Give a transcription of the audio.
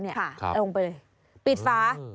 เอาลงไปปิดฝา